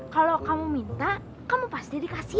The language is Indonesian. kalau kamu minta kamu pasti dikasih